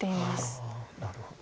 なるほど。